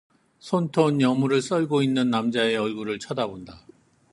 손톱 여물을 썰고 있는 남자의 얼굴을 쳐다본다.